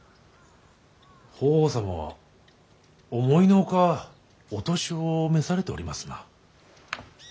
法皇様は思いの外お年を召されておりますな。